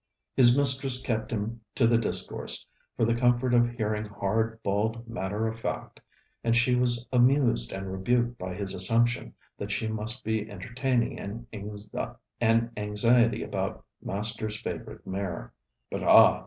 His mistress kept him to the discourse, for the comfort of hearing hard bald matter of fact; and she was amused and rebuked by his assumption that she must be entertaining an anxiety about master's favourite mare. But, ah!